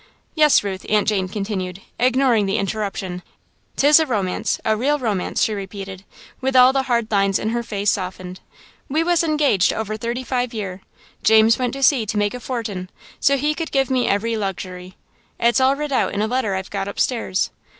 "Yes, Ruth," Aunt Jane continued, ignoring the interruption, "'t is a romance a real romance," she repeated, with all the hard lines in her face softened. "We was engaged over thirty five year. James went to sea to make a fortin', so he could give me every luxury. It's all writ out in a letter I've got upstairs.